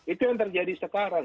itu yang terjadi sekarang